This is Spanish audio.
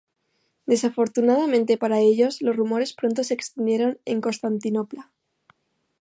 Desafortunadamente para ellos, los rumores pronto se extendieron en Constantinopla.